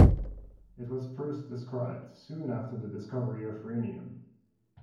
It was first described soon after the discovery of rhenium.